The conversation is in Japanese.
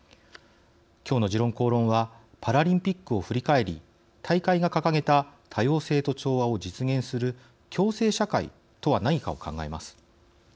今日の「時論公論」はパラリンピックを振り返り大会が掲げた多様性と調和を実現する共生社会とは何かを考えます。